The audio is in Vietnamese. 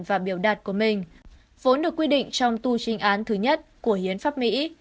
và biểu đạt của mình vốn được quy định trong tu trinh án thứ nhất của hiến pháp mỹ